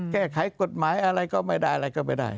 แก้ไขกฎหมายอะไรก็ไม่ได้